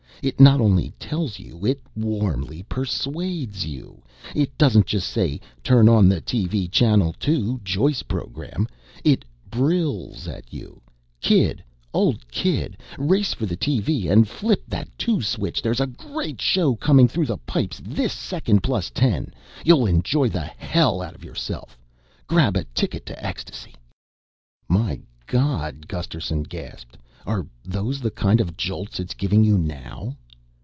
It not only tells you, it warmly persuades you. It doesn't just say, 'Turn on the TV Channel Two, Joyce program,' it brills at you, 'Kid, Old Kid, race for the TV and flip that Two Switch! There's a great show coming through the pipes this second plus ten you'll enjoy the hell out of yourself! Grab a ticket to ecstasy!'" "My God," Gusterson gasped, "are those the kind of jolts it's giving you now?"